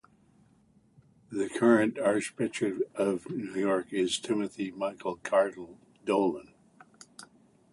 The current Archbishop of New York is Timothy Michael Cardinal Dolan.